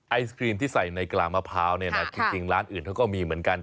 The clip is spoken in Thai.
ไอศครีมที่ใส่ในกลางมะพร้าวเนี่ยนะจริงร้านอื่นเขาก็มีเหมือนกัน